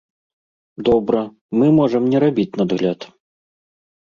Добра, мы можам не рабіць надгляд.